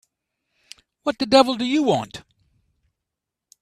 What the devil do you want?